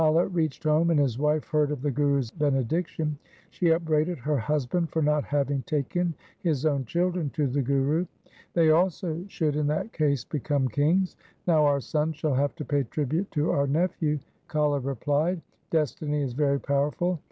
When Kala reached home, and his wife heard of the Guru's benediction, she upbraided her husband for not having taken his own children to the Guru. ' They also should in that case become kings. Now our sons shall have to pay tribute to our nephew.' Kala replied, 'Destiny is very powerful.